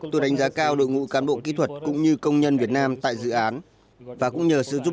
tôi đánh giá cao đội ngũ cán bộ kỹ thuật cũng như công nhân việt nam tại dự án và cũng nhờ sự giúp